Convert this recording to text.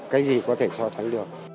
cái gì có thể sử dụng